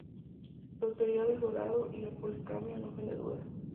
La autoría del dorado y la policromía no ofrece dudas.